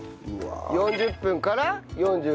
４０分から４５分。